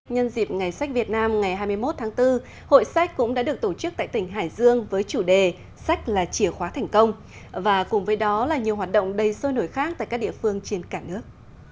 nhân dịp ngày sách việt nam ngày hai mươi một tháng bốn hội sách cũng đã được tổ chức tại tỉnh hải dương với chủ đề sách là chìa khóa thành công và cùng với đó là nhiều hoạt động đầy sôi nổi khác tại các địa phương trên cả nước